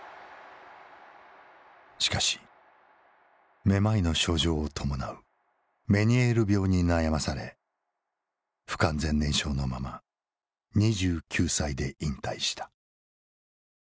しかしめまいの症状を伴うメニエール病に悩まされ不完全燃焼のまま２９歳で引退した。